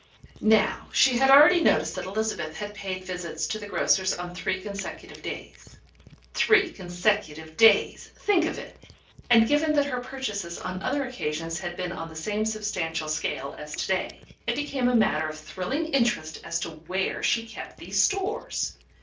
Now she had already noticed that Elizabeth had paid visits to the grocer's on three consecutive days (three consecutive days: think of it!), and given that her purchases on other occasions had been on the same substantial scale as to day, it became a matter of thrilling interest as to where she kept these stores.